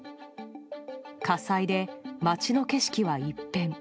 火災で街の景色は一変。